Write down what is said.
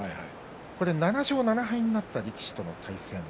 ７勝７敗になった力士との対戦。